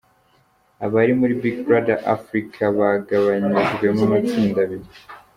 Abari muri Big Brother Africa bagabanyijwemo amatsinda abiri.